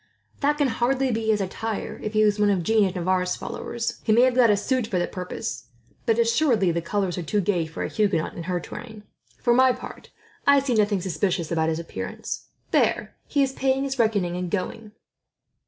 "That can hardly be his attire, if he is one of Jeanne of Navarre's followers. He may have got a suit for the purpose, but assuredly the colours are too gay for a Huguenot in her train. For my part, I see nothing suspicious about his appearance. There, he is paying his reckoning, and going."